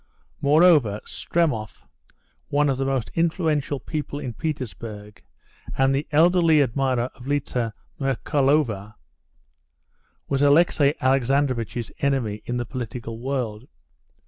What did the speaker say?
Moreover, Stremov, one of the most influential people in Petersburg, and the elderly admirer of Liza Merkalova, was Alexey Alexandrovitch's enemy in the political world.